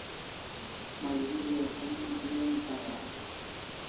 Malgeri as som bi'an pai asta